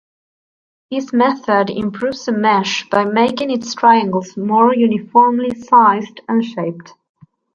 This method improves the mesh by making its triangles more uniformly sized and shaped.